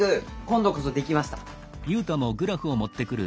今度こそ出来ました！